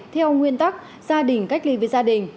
theo nguyên tắc gia đình cách ly với gia đình